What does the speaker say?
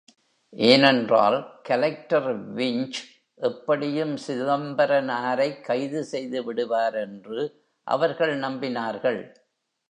ஏனென்றால், collector Winch எப்படியும் சிதம்பரனாரைக் கைது செய்து விடுவார் என்று அவர்கள் நம்பினார்கள்.